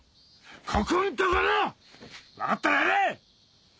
ここんとこの‼分かったらやれ！